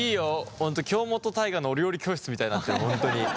本当京本大我のお料理教室みたいになってる本当に。